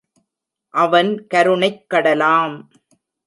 அவன் கருணைக் கடலாம்.